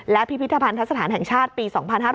และพิพิธภัณฑสถานแห่งชาติปี๒๕๕๙